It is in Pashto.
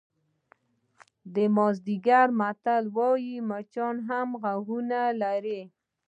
د مازی متل وایي مچان هم غوږونه لري.